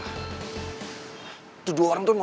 itu dua orang tuh emang